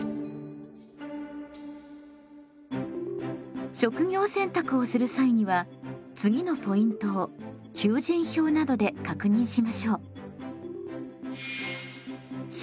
まずは職業選択をする際には次のポイントを求人票などで確認しましょう。